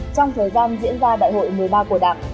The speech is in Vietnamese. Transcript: trong thời gian diễn ra đại hội một mươi ba của đảng